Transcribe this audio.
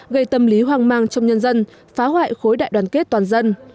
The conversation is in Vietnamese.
gây tâm lý hoang mang trong nhân dân phá hoại khối đại đoàn kết toàn dân